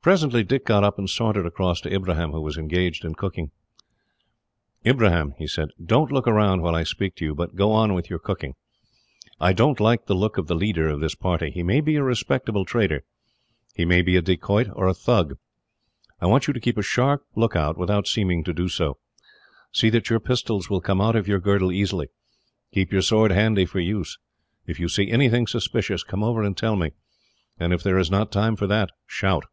Presently Dick got up and sauntered across to Ibrahim, who was engaged in cooking. "Ibrahim," he said, "don't look round while I speak to you, but go on with your cooking. I don't like the look of the leader of this party. He may be a respectable trader, he may be a Dacoit or a Thug. I want you to keep a sharp lookout, without seeming to do so. See that your pistols will come out of your girdle easily. Keep your sword handy for use. If you see anything suspicious, come over and tell me, and if there is not time for that, shout."